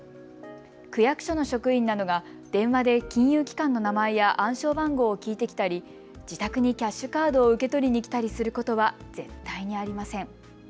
区役所の職員などが電話で金融機関の名前や暗証番号を聞いてきたり自宅にキャッシュカードを受け取りに来たりすることは絶対にありません。